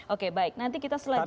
oke baik nanti kita selanjutnya